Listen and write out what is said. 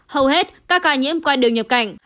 hầu hết các ca nhiễm quay đường nhập cảnh